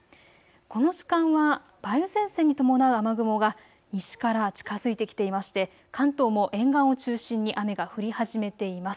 この時間は梅雨前線に伴う雨雲が西から近づいてきていまして関東も沿岸を中心に雨が降り始めています。